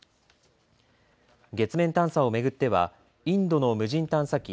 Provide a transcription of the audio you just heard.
月面探査を巡ってはインドの無人探査機